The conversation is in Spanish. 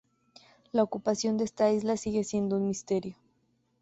La ocupación de esta isla sigue siendo un misterio.